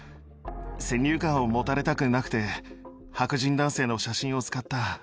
先入観を持たれたくなくて、白人男性の写真を使った。